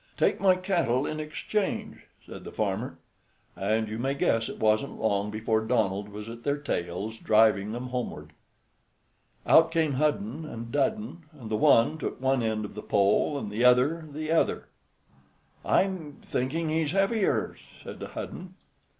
"Take my cattle in exchange," said the farmer; and you may guess it wasn't long before Donald was at their tails, driving them homeward. Out came Hudden and Dudden, and the one took one end of the pole, and the other the other. "I'm thinking he's heavier," said Hudden.